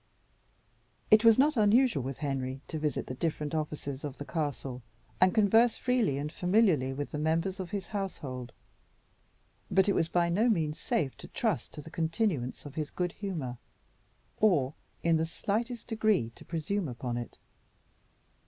It was not unusual with Henry to visit the different offices of the castle and converse freely and familiarly with the members of his household, but it was by no means safe to trust to the continuance of his good humour, or in the slightest degree to presume upon it.